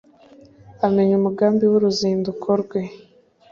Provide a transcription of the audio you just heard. Amenya umugambi w’uruzindiko rwe,